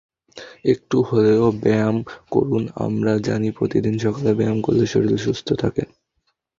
একটু হলেও ব্যায়াম করুনআমরা জানি, প্রতিদিন সকালে ব্যায়াম করলে শরীর সুস্থ থাকে।